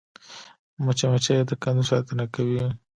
مچمچۍ د کندو ساتنه کوي